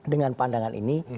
dengan pandangan ini